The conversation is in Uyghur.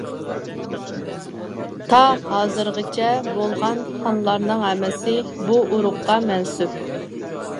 تا ھازىرغىچە بولغان خانلارنىڭ ھەممىسى بۇ ئۇرۇققا مەنسۇپ.